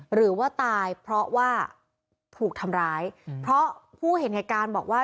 หรือว่าตายเพราะว่าถูกทำร้ายเพราะผู้เห็นเหตุการณ์บอกว่า